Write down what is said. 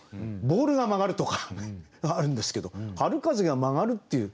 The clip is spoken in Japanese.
「ボールが曲がる」とかはあるんですけど「春風が曲がる」っていう。